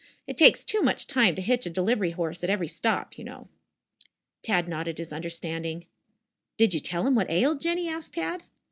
It takes too much time to hitch a delivery horse at every stop, you know!" Tad nodded his understanding. "Did you tell him what ailed Jinny?" asked Tad.